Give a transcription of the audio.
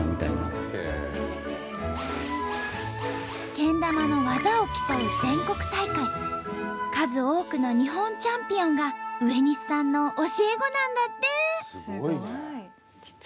けん玉の技を競う全国大会数多くの日本チャンピオンが植西さんの教え子なんだって！